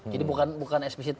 jadi bukan eksplisif